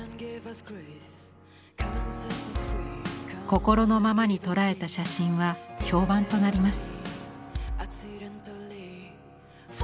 心のままに捉えた写真は評判となります。